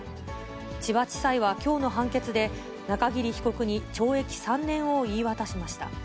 千葉地裁はきょうの判決で、中桐被告に懲役３年を言い渡しました。